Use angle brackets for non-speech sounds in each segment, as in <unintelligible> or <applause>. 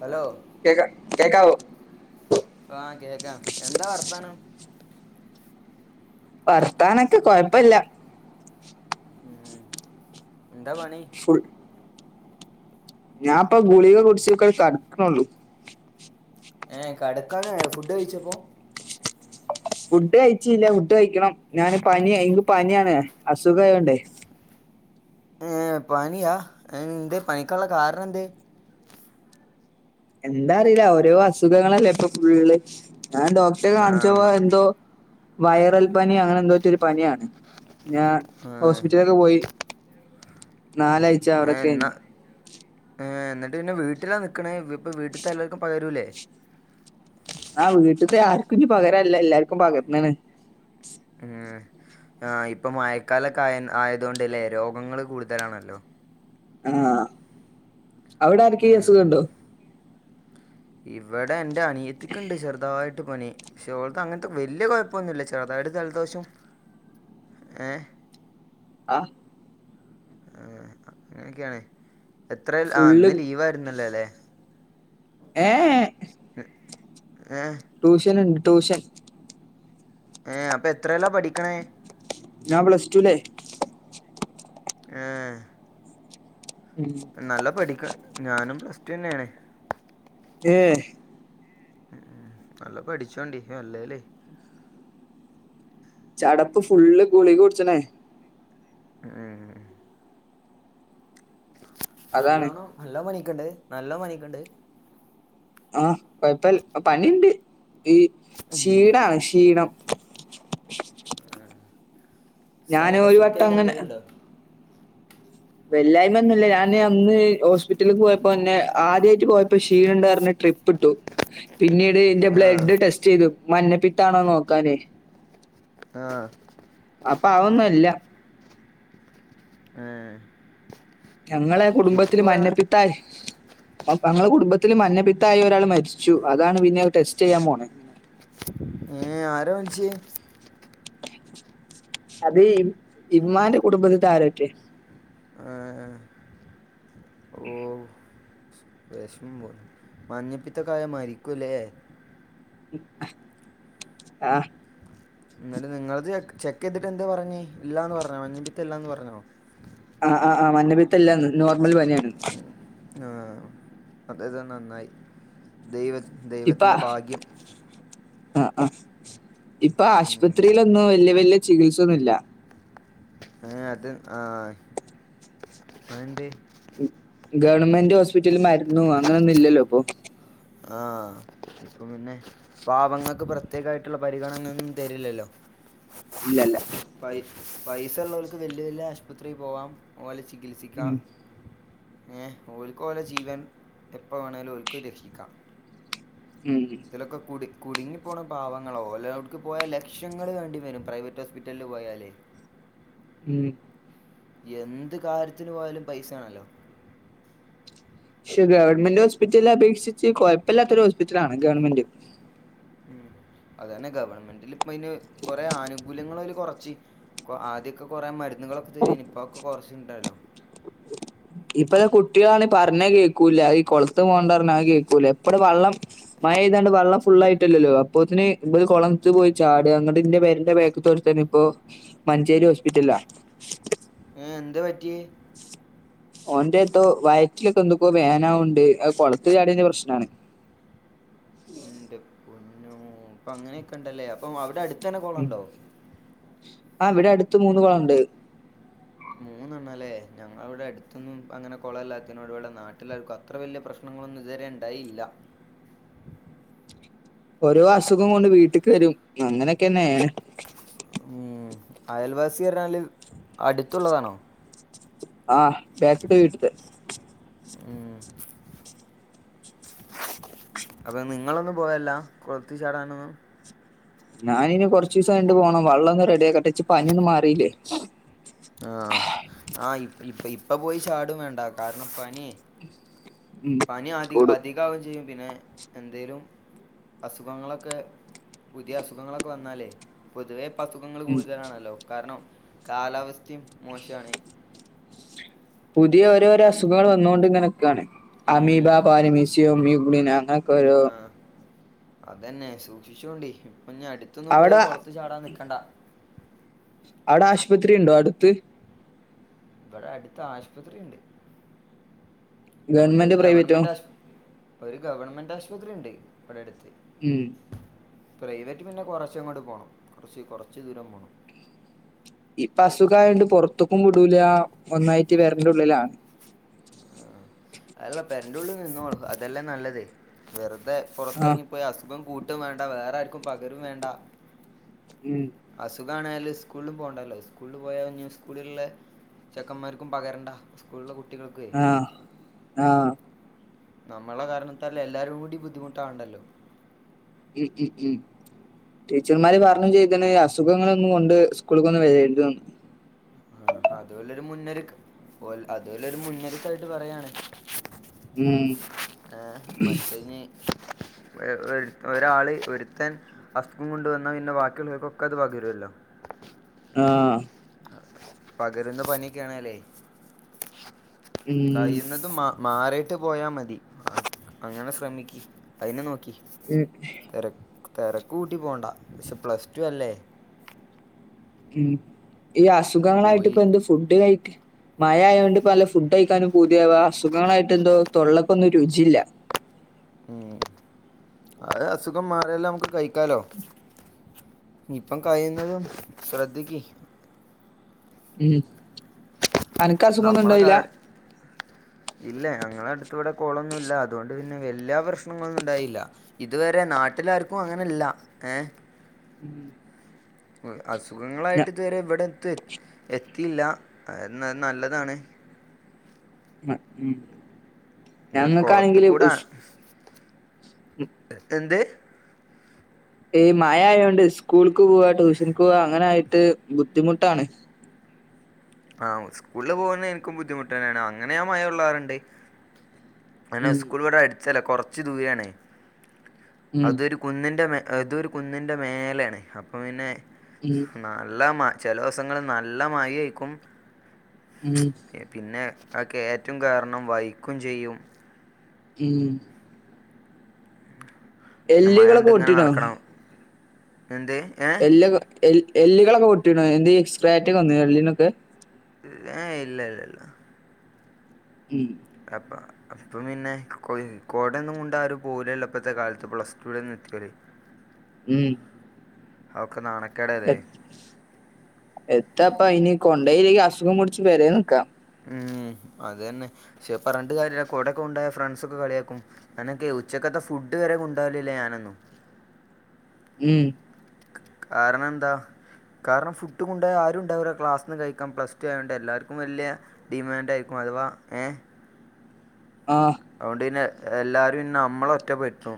Hello കേക്കാ. കേക്കാവോ? ആഹ് കേക്കാം. എന്താ വർത്താനം? വർത്താനക്കെ കൊയപ്പില്ല. ഉം. എന്താ പണി? ഞാപ്പൊ ഗുളിക കുടിച്ച്ക്ക് കടക്കണുള്ളു. ഏഹ് കെടക്കാനായോ? ഫുഡ് കഴിച്ചപ്പോ? ഫുഡ് കയിച്ചീല്ല. ഫുഡ് കയിക്കണം. ഞാന് പനിയ എന്ക്ക് പനിയാണ്. അസുഖആയോണ്ടേ. ഏഹ് പനിയാ. നിന്റെ പനി കൊള്ളകാർണെന്തേ? എന്താ അറിയില്ല ഓരോ അസുഖങ്ങളല്ലേപ്പൊ ഫുള്ള്. ഞാൻ ഡോക്ടറെ ആ കാണിച്ചപ്പോ എന്തോ വൈറൽ പന്യൊ അങ്ങനെന്തോറ്റൊരു പനിയാണ് ഞാ ആ ഹോസ്പിറ്റലെക്ക് പോയി. നാലാഴ്ച അവിടെ ഏഹ് എന്ന കഴിഞ്ഞു ഏഹ് എന്ന് പിന്നെ വീട്ടിലാ നിക്കണേ. ഇപ്പ വീട്ടത്തെ എല്ലാർക്കും പകരുല്ലേ? ആഹ് വീട്ടത്തെ ആർക്കും ഇനി പകരാനില്ല എല്ലാർക്കും പകർന്നാണ്. ഉം. <unintelligible> ആഹ് ഇപ്പൊ മഴക്കാലൊക്കെ ആയ ആയതുകൊണ്ടല്ലേ രോഗങ്ങള് കൂടുതലാണല്ലോ ആഹ് അവിടെ ആരുക്കേലും ഈ ഉം അസുഖമുണ്ടോ ഇവിടെ എന്റെ അനിയത്തിക്കുണ്ട് ചെറുതായിട്ട് പനി. പക്ഷെ ഓൾക്ക് അങ്ങനത്തെ വലിയ കുഴപ്പൊന്നുമില്ല ചെറുത ജലദോഷം ഏ ആഹ് ആഹ് അങ്ങനെയൊക്കെയാണെ എത്ര ആ ഫുള്ള് ഇന്ന് ലീവായിരുന്നല്ലോ. അല്ലെ ഏയഏ ഏഹ് ട്യൂഷൻണ്ട് ട്യൂഷൻ ഏ അപ്പൊ എത്രയിലാ പഠിക്കണേ ഞാൻ പ്ലസ് ടുല്ലേ. ആഹ് നല്ല പഠിക്കാ ഞാനും പ്ലസ് ടു തന്നെയാണ്. ഏ ഉം. നല്ല പഠിച്ചോണ്ടി അല്ലേലേ ചടപ്പ് ഫുള്ള് ഗുളിക കുടിച്ചനെ. ആ അതാണ് നല്ലോണം നല്ല പണിക്കണ്ട് നല്ല പണിക്കണ്ട്........ ആഹ കൊഴപ്പ പണിയണ്ട് ഈ ഉം ക്ഷീടാണ് ക്ഷീ.......? ഞാന് സൈഡ് ഒരു എഫക്റ്റ് വട്ടം ആയിട്ട് ങ്ങനെ. എന്തേലും ഉണ്ടോ വെല്ലായ്മന്നല്ലേ ഞാന് അന്ന് ഹോസ്പിറ്റല പോയപ്പോ എന്നെ ആദ്യമായിട്ട് പോയപ്പോ ക്ഷീണുണ്ട പറ ട്രിപ്പ് ഇട്ടു പിന്നീട് എന്റെ ആഹ് ബ്ലഡ് ടെസ്റ്റ് ചെയ്തു...... മഞ്ഞപ്പിത്താണോ നോക്കാനേ....... ആഹ...... അപ്പൊ അതൊന്നും അല്ല......... ആഹ....... ഞങ്ങളെ കുടുംബത്തില് മഞ്ഞപ്പിത്തായ..... <unintelligible> ൽ മഞ്ഞപിത്ത ആയ ഒരാൾ മരിച്ചു അതാണ് പിന്നെ ടെസ്റ്റ് ചെയ്യാൻ പോണേ...... ഏ ആര മരിച്ചെ അത് ഇമ്മാന്റെ കുടുംബത്തിത്തെ ആരറ്റെ ഓ.. വിഷം പോ മഞ്ഞപ്പിത്തക്കായ മരിക്കൂലേ ആഹ്.... എന്നാല നിങ്ങള്ത് ചെക്ക് ചെയ്തിട്ട് എന്താ പറഞ്ഞേ ഇല്ലാന്ന് പറഞ്ഞോ മഞ്ഞിപ്പത്ത ഇല്ലാന്ന് പറഞ്ഞോ ആ് ആ് ആ് മഞ്ഞപീത്ത എല്ലന്ന് നോർമൽ പനിയാണ് അതത് നന്നായി ദൈ ദൈവത്തിന്റെറെ ഭാഗ്യം ആഹ ആ ഇപ്പൊ ആശുപത്രിയിലൊന്നും വല്യ വല്യ ചികിത്സൊന്നുല്ല ഏ അത് ആ അയെൻന്തെ ഗവൺമെന്റ് ഹോസ്പിറ്റൽ മരുന്നും അങ്ങനെ ഒന്നും ഇല്ലല്ലോ ഇപ്പൊ ആഹ ഇപ്പൊ പിന്നെ പാവങ്ങൾക്ക് പ്രത്യേകമായിട്ടുള്ള പരിഗണനൊന്നും തരില്ലല്ലോ ഇല്ലല്ല. പൈ പൈസ ഉള്ളവർക്ക് വല്യ വലിയ ആശുപത്രിൽ പോവാം ഓലെ ഉം ചികിത്സിക്കാം ഏ ഓൽക്ക് ഓലെ ജീവൻ എപ്പ വേണമേലും ഓൽക്ക് രക്ഷിക്ക.... ഉം തിലക്കക്കൂടി.... കുടുങ്ങി പോണ പാവങ്ങളോല്ലടുക്ക് പോയാൽ ലക്ഷങ്ങൾ വേണ്ടി വരും പ്രൈവറ്റ് ഹോസ്പിറ്റലിൽ പോയാലേ...... ഉം എന്ത് കാര്യത്തിന് പോയാലും പൈസയാണല്ലോ...... പക്ഷെ ഗവൺമെന്റ് ഹോസ്പിറ്റല അപേക്ഷിച്ച് കുഴപ്പമില്ലല്ലാത്തൊ ഒരു ഹോസ്പിറ്റലണ് ഗവണ്മെന്റ് ഉ അത തന്നെ ഗവൺമെന്റിൽ ഇപ്പ ഇതിന് കൊറേ ആനുകൂല്യങ്ങള് കൊറച്ച്..... ആദ്യൊക്കെ കൊറെ മരുന്നുകളൊക്കെ തരൻ ഇപ്പൊക്കെ കുറച്ച ഇണ്ടല്ലാലോ ഇപ്പത്തെ കുട്ടികളാാണ് പറഞ്ഞ കേൾക്കൂല ഈ കൊളത്ത് പോകണ്ട പറഞ്ഞത് കേൾക്കൂല എപ്പടെ വെള്ളം ്തണ്ട് വെള്ള ഫുള്ളൾ ആയിട്ടല്ലോ അപ്പൊത്തിന് ഇത് കൊളത്ത് പോയി ചാട് അങ്ങട്ട ഇന്റെ പേരൻ്റെ വേക്ക്ത്ത ഒരുത്തന് ഇപ്പോ മഞ്ചേരി ഹോസ്പിറ്റല..... ആഏ എന്ത് പറ്റി...., ഓന്റെത്തോ വയറ്റിലൊക്കെ എന്തക്ക വേനാവുണ്ട് കൊളത്ത് ചാടന്റെ പ്രശ്നാണ ന്റെ പൊന്നോ ഇപ്പൊ അങ്ങനെയൊക്കെ ഉണ്ടല്ലേ അപ്പൊ അവിടെ അടു തനെ കൊളണ്ടോ ത്ത് മൂന്ന് കൊളണ്ട് മൂന്നെണ്ണല്ലേ ഞങ്ങള ഇവിടെ അടുത്തൊന്നും അങ്ങനെ കുളമല്ലാത്തന ഇടി ഇവിടെ നാട്ടിലാർക്കും അത്ര വലിയ പ്രശ്നം....... ങ്ങളൊന്ന ഇതുവരെ ഉണ്ടായില്ല....... ഓരോ അസുഖം കൊണ്ട് വീട്ടക്ക് വരും അങ്ങനൊക്കെന്നെണ്...... ഉം അയൽവാസി എരഞ്ഞാല് അടുത്തുള്ളതാണോ...... ആഹ ബാക്ക്തേവീട്ടത്തെ..... <inaudible> അപ്പൊ നിങ്ങളൊന്നും പോയല്ല കൊളത്തി ചാടാനൊന്നും...., ഞാനിനി കുറച്ചു ദിവസം കഴിഞ്ഞിട്ട് പോകണം വെള്ളം ഒന്ന് റെഡി ആക്കട്ടെ ഇച്ചു പനിയൊന്നും മാറീലേ ആഹ് ആഹ് ഇ ഇപ്പ ഇപ്പൊ പോയി ചാടും വേണ്ട കാരണം പനി ഉം പനി അധിക കൂടും. അധികാവുകയും ചെയ്യും പിന്നെ എന്തേലും അസുഖങ്ങളൊക്കെ പുതിയ അസുഖങ്ങളൊക്കെ വന്നാലേ പൊതുവെ അസുഖങ്ങൾ ഉം കൂടുതലാണല്ലോ കാരണം കാലാവസ്ഥയും മോശമാണ് പുതിയ ഓരോരോ അസുഖങ്ങൾ വന്നൊണ്ട് ഇങ്ങനക്കാണ് ഉം അമീബ പാരമീസിയം <unintelligible> അങ്ങന ക്കൊരു ആഹ് അതന്നെ സൂക്ഷിച്ചോണ്ടി ഇപ്പൊഞ്ഞി അടുത്തൊന്നും പോയി അവിടെ കൊളത്തിൽ ചാടാൻ നിക്കണ്ട അവിടെ ആശുപത്രി ഉണ്ടോ അടുത്ത് ഇവിടെ അടുത്ത് ആശുപത്രി ഉണ്ട് ഗവൺമെന്റോ പ്രൈവറ്റോ ആശു ഒരു ഗവൺമെന്റ് ആശുപത്രി ഉണ്ട് ഇവിടെ അടുത്ത് ഉം പ്രൈവറ്റ് പിന്നെ കൊറച്ചങ്ങോട്ട് പോണം കൊറച്ച് കൊറച്ച് ദൂരം പോണം ഇപ്പ അസുഖായോണ്ട് പൊറത്തക്കും വിടൂല ഒന്നായിട്ട് പെരെന്റെറെ ഉള്ളിലാണ് ആഹ് <unintelligible> ഉള്ളിൽ നിന്നോളു അതല്ലേ നല്ലത് വെറുതെ ആ. പുറത്തിറങ്ങിപ്പോയി അസുഖം കൂ ട്ടും വേണ്ട വേരാർക്കും പകരും വേണ്ട ഉം. അസുഖാണ് സ്കൂളും പോകണ്ടല്ലോ സ്കൂളിൽ പോയാ പിന്നെ സ്കൂളിലുള്ള ചെക്കന്മാർക്കും പകരണ്ട സ്കൂളിലെ കു കുട്ടികൾക്കുമെ ആഹ് നമ്മളുടെ കാരണത്താൽ എല്ലാരും കൂടി ബുദ്ധിമുട്ടാവണ്ടല്ലോ മ് മ് മ് ടീച്ചർമാര് പറഞ്ഞും ചെയ്തിന് അസുഖങ്ങളൊന്നും കൊണ്ട് സ്കൂള്ക്കൊന്നും വരരുതെന്നു ആ അതുമല്ലൊരു മുന്നൊരുക്കം അതുമല്ലൊരു മുന്നൊരുക്കായിട്ട് പറയാണ് ഉം. ആ മറ്റേന് ഒ ഒ ഒരാള് ഒരുത്തൻ അസുഖം കൊണ്ട് വന്ന പിന്നെ ബാക്കിയുള്ളവർക്കൊക്കെ അത് പകരുല്ലോ <inaudible> ആഹ് പകരുന്ന പനിയൊക്കെയാണല്ലേ ഉം. കഴിയുന്നതും മാ മാറിയിട്ട് പോയാ മതി അങ്ങനെ ശ്രമിക്കി അതന്നെ നോക്കി മ് തിര തിരക്ക് കൂട്ടി പോണ്ട പക്ഷെ പ്ലസ് ടു അല്ലേ ഉം ഈ അസുഖങ്ങളായിട്ട് പോയി ഇപ്പൊ എന്ത് ഫുഡ് കഴിക്ക് മഴ ആയൊണ്ട് പല ഫുഡ് കഴിക്കാനും പൂതിയാവാ അസുഖങ്ങളായിട്ട് എന്തോ തൊള്ളക്കൊന്നും രുചില്ല ഉം അത് അസുഖം മാറിയെല്ലാം നമുക്ക് കഴിക്കാലോ ഇപ്പം കഴിയുന്നതും ശ്രദ്ധിക്കു ഉം അനക്ക് അസുഖൊന്നും നമ്മളെ ഉണ്ടായില്ല കാഴ ഇല്ലേ ഞങ്ങളെ അടു വിടെ കുളൊന്നും ഇല്ല അതുകൊണ്ട് പിന്നെ വല്യ പ്രശ്നങ്ങളൊന്നും ഉണ്ടായില്ല ഇതുവരെ നാട്ടില് ആർക്കും അങ്ങനെല്ല ഏ ഉം അസുഖങ്ങളായിട്ട് ഇതുവരെ ഇവിടെ <unintelligible> എത്തിയില്ല എന്ന് നല്ലതാണ് മ ഉം ഞാൻ ഞങ്ങക്കാണെങ്കില് ഉശ് എ എന്ത് ഈ മഴ ആയോണ്ട് സ്കൂൾക്ക് പോവാ ട്യൂഷനിക്ക് പോവാ അങ്ങനെ ആയിട്ട് ബുദ്ധിമുട്ടാണ് ആഹ് സ്കൂളിൽ പോകുന്ന എനിക്കും ബുദ്ധിമുട്ട് തന്നെയാണ് അങ്ങനെയാ മഴ ഉള്ള <unintelligible> അങ്ങനെ ഉം സ്കൂൾ ഇവിടെ അടിച്ചല്ല കുറച്ചു ദൂരണേ ഉം അതൊരു കുന്നിൻ്റെ മേ ഇതൊരു കുന്നിൻ്റെ മേലാണ് അപ്പം പിന്നെ ഉം നല്ല മ ചിലിവസങ്ങളിൽ നല്ല മയഅയിരിക്കും. ഉം പിന്നെ ആ കയറ്റവും കാരണം വൈക്കും ചെയ്യും. ഉം പിന്നെ മഴ എല്ല്കളൊക്കെ കൊണ്ട് ഇങ്ങനെ പൊട്ടീനോ നടക്കണം എന്ത് ഏ എല്ലക എല്ല് എല്ലുകളൊക്കെ പൊട്ടി എക്സ്ട്രാറ്റ്ഒക്കെവന്നു എല്ലിനൊക്കെ ല ഇല്ല ഇല്ല ഇല്ല ഉം പാവം ഇപ്പം പിന്നെ കോടൊന്നും കൊണ്ട് ആ ഒരു പോലല്ല ഇപ്പോഴത്തെ കാലത്ത് പ്ലസ് ടുവിടെന്ന് എത്തില്ലേ ഉം അവക്കെ നാണണം എ എത്താ അപ്പ ഇനി കൊണ്ടോയിലൽ അസുഖം പിടിച് പേരെനിക്കാം ഉം അതതന്നെ പക്ഷേ പറഞ്ഞിട്ട് കാര്യഇല്ല കൊടകൊണ്ടുപോയ ഫ്രണ്ട്സ് ഒക്കെ കളിയാക്കും ഞാനൊക്കെ ഉച്ചക്ക എന്ത ഫുഡ് വരെ കൊണ്ടാവലല്ലേ ഞാനന്നും ഉം കാരണം എന്താ കാരണം ഫുഡ് കൊണ്ട്പോയാ ആരുണ്ടാവില്ല ക്ലാസ്ന്ന് കഴിക്കാം പ്ലസ് ടു ആയതണ്ട് എല്ലാവർക്കും വല്യ ഡിമാൻഡാ ആയിമാറി. അഥവാ ഏ ആഹ് അതുകൊണ്ട് പിന്നെ എല്ലാരും പിന്നെ നമ്മളെ ഒറ്റ പടുത്തും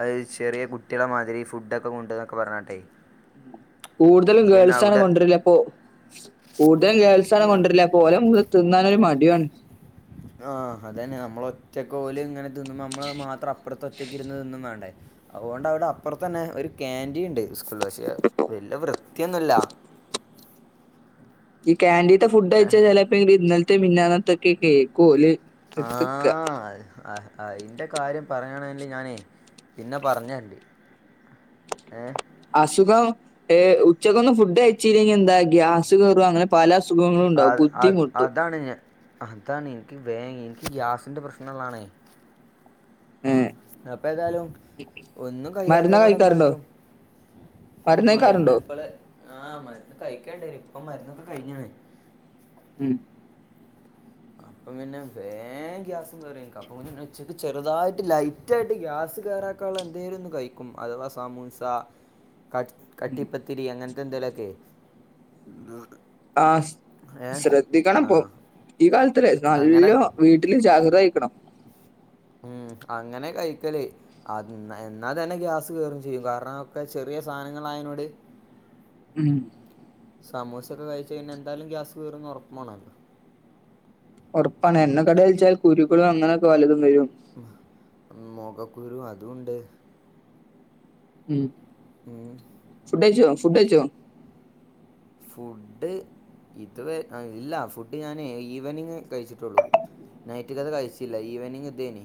അത് ചെറിയ കുട്ടികളെ മാതിരി ഫുഡൊക്കെ കൊണ്ടവന്നന്നൊക്കെ പറഞ്ഞട്ടെ കൂടുതലും ഗേൾസ് ആണ് കൊണ്ടുവരല് അപ്പൊ കൂടുതലും ഗേൾസാണ് ഞാൻ കൊണ്ടുവരല് പോലെ മുമ്പി തിന്നാനൊരു മടിയും ആണ് ആഹ് അത തന്നെ നമ്മൾ ഒറ്റക്ക് പോലും ഇങ്ങനെ തിന്ന നമ്മള് മാത്രം അപ്പുറത്തെ ഒറ്റക്ക് ഇരുന്ന് തിന്നും വേണം. അതുകൊണ്ട് അവിടെ അപ്പുറത്ത് തന്നെ ഒരു കാന്റീൻ ഉണ്ട് സ്കൂ ഫ്ലഷ്യേ വല്യ വൃത്തിയൊന്നുല്ല ഈ കാന്റീത്തെ ഫുഡ് അയച്ചാ ചിലപ്പോ ഇ ഇന്നലത്തെ മന്നാനത്തക്കെ കേൾക്കും ല് ആ ആ അയിന്റെ കാര്യം പറയയാണങ്കിൽ ഞാനേ പിന്നെ പറഞ്ഞതരട്ടി ഏ അസുഖം ഏ് ഉച്ചക്കൊന്ന് ഫുഡ് അയച്ചില്ലെങ്കിൽ എന്താക്കിയ ഗ്യാസ് അങ്ങനെ പല അസുഖങ്ങള ഉണ്ടാവും അത് അത് ബുദ്ധിമുട്ടും അതാണ് ഞാൻ അതാണ് എനിക്ക് വേങ്ങി എനിക്ക് ഗ്യാസിന്റെ പ്രശ്നംല്ലാണേ ഏഹ് അപ്പൊ ഏതായാലും ഒന്നും മരുന്ന് കഴിയാത്തതിനോട് കഴിക്കാറുണ്ടോ എന്താട്ടും മരുന്ന് എപ്പള് ആ മരുന്ന് കഴിക്കണ്ട് ഇപ്പൊ മരുന്നൊക്കെ കഴിഞ്ഞാണ് ഉം അപ്പ പിന്നെ വേഗമം ഗ്യാസും കേറ അപ്പച്ചക്ക് ചെറുതായിട്ട് ലൈറ്റ് ആായിട്ട് ഗ്യാസ് ഗ്യാസ്കേറാക്ക എന്തേലും ഒന്ന് കഴിക്കും അഥവാ സമൂസ കട്ട് കട്ടിപ്പത്തിരി അങ്ങനത്തെ എന്തെലുമൊക്കെ ആ് ശ് ആ ശ്രദ്ധിക്കണംപ്പ ഈ കാലത്തില്ലേ അങ്ങനെ നല്ല വീട്ടില് ജാഗ്രത ആയിരിക്കണം. ഉം അങ്ങനെ കഴിക്കല് അതന്ന് എ എന്നാ തന്നെ ഗ്യാസ് കയറും ചെയ്യും കാരണംക്കെ ചെറിയ സ സാനങ്ങളായതിനോട് ഉം സമൂസ ഒക്കെ കഴിച് കഴിഞ്ഞ എന്തായാലും ഗ്യാസ് കേറൂന്ന് ഉറപ്പ പോണല്ലോ ഉറപ്പാണ് എണ്ണ കടി കഴിച്ചാൽ കുരുക്കളും അങ്ങനെയൊക്കെ വല്ലതും വരും മുഖകുരുവും അതും ഉണ്ട് ഉം <unintelligible> ഉം ഫുഡ്കഴിച്ചോ ഫുഡ് ഇതവ ഇല്ല ഫുഡ് ഞാന് ഈവനിങ് കഴിച്ചിട്ടുള്ളു നൈറ്റ്ക്കത്തെ കഴിച്ചില്ല ഈവനിങ് ഇതേനി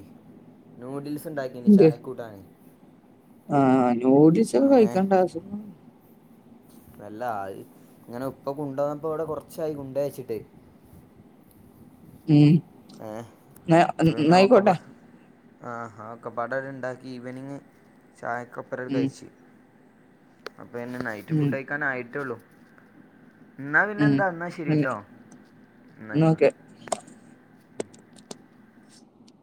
നൂഡിൽസ് ഉണ്ടാക്കിന് ചായക്കൂട്ടാൻ <unintelligible> ആ ന്യൂഡിൽസൊക്കെ കഴിക്കണ്ട <unintelligible> ഇപ്പല്ലാം ഇങ്ങനെ ഉപ്പ കുണ്ടന്നപ്പോ ഇവിടെ കൊറച്ചായി ഗുണ്ട്ഴിച്ചിട്ട് ഉം ഏ നാ അപ്പോൾ പിന്നെ ഒക്കെ നയിക്കോട്ടെ പ- ആ ആഹാക്കെപ്പടര് ഇണ്ടാക്കി ഈവനിങ് ചായക്കോപ്പര് ഉം. കയിച്ച് അപ്പൊ എന്നെ നൈറ്റ് ഉം ഫുഡ് കയിക്കാൻ ആയിട്ടേള്ളൂ എന്നാ പിന്നെ ഉം. എന്താ എന്നാ പിന്നെ ശെരിട്ടോ എന്ന ന്നാ ആയിക്കോട് ഓക്കെ.